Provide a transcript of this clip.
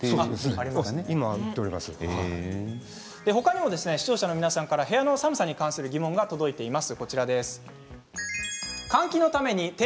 他にも視聴者の皆さんから部屋の寒さに関する疑問が届いています。